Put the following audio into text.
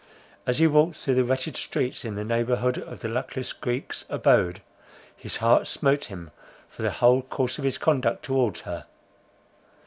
As he walked through the wretched streets in the neighbourhood of the luckless Greek's abode, his heart smote him for the whole course of his conduct towards her.